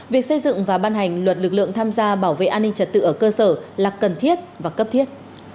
việc xây dựng và ban hành luật lực lượng tham gia bảo vệ an ninh trật tự ở cơ sở là cần thiết và cấp thiết